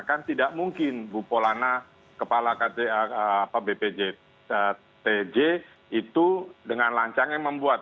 kan tidak mungkin bupolana kepala bpjtj itu dengan lancang yang membuat